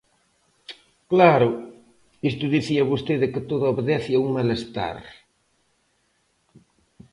Claro, isto dicía vostede que todo obedece a un malestar.